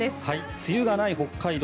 梅雨がない北海道。